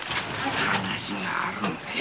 話があるんだよ。